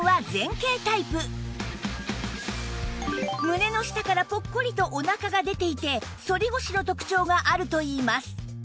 胸の下からポッコリとお腹が出ていて反り腰の特徴があるといいます